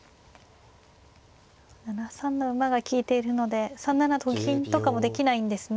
７三の馬が利いているので３七と金とかもできないんですね。